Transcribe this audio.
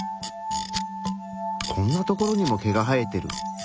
こんなところにも毛が生えてる！